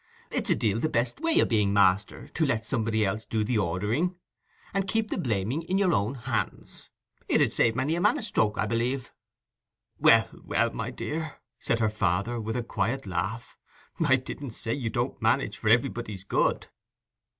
It's a deal the best way o' being master, to let somebody else do the ordering, and keep the blaming in your own hands. It 'ud save many a man a stroke, I believe." "Well, well, my dear," said her father, with a quiet laugh, "I didn't say you don't manage for everybody's good."